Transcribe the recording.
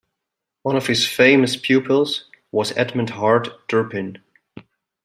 One of his famous pupils was Edmund Hart Turpin.